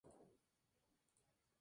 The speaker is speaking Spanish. Posteriormente no lo volvieron a ganar.